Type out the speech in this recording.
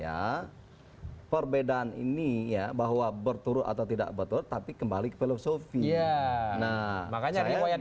hai perbedaan ini ya bahwa berturut atau tidak betul tapi kembali filosofi ya nah makanya riwayat